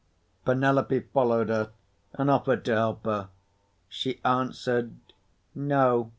Penelope followed her, and offered to help her. She answered, "No.